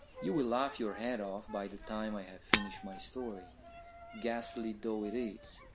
"You will laugh your head off by the time I have finished my story, ghastly though it is.